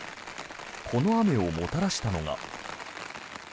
この雨をもたらしたのが。